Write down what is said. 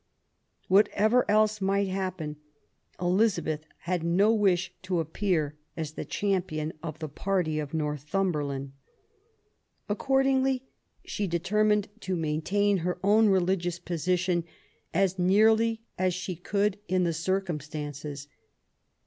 Whatever else might happen, Elizabeth had no wish to appear as the champion of the party of Northumberland. Accord ingly she determined to maintain her own religious position as nearly as she could in the circumstances.